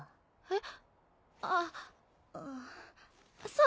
えっ。